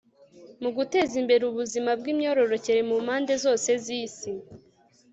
mu guteza imbere ubuzima bw imyororokere mu mpande zose z isi